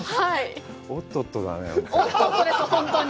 おっとっとだね、本当に。